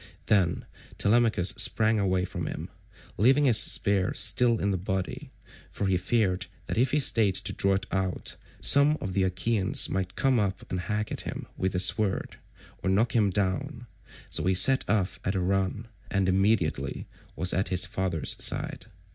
Then Telemachus sprang away from him, leaving his spear still in the body, for he feared that if he stayed to draw it out, some one of the Achaeans might come up and hack at him with his sword, or knock him down, so he set off at a run, and immediately was at his father's side.